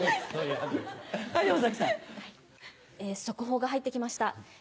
速報が入って来ました。